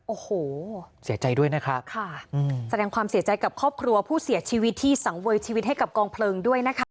โอ้โหเสียใจด้วยนะครับค่ะอืมแสดงความเสียใจกับครอบครัวผู้เสียชีวิตที่สังเวยชีวิตให้กับกองเพลิงด้วยนะคะ